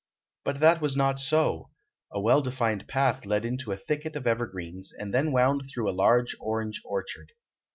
But that was not so; a well defined path led into a thicket of evergreens and then wound through a large orange orchard.